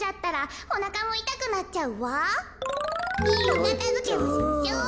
おかたづけをしましょう。